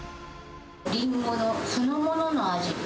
リンゴのそのものの味。